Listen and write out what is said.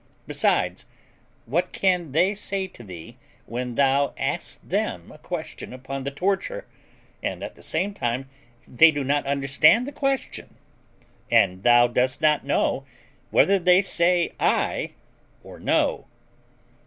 Besides, what can they say to thee when thou askest them a question upon the torture, and at the same time they do not understand the question, and thou dost not know whether they say ay or no?"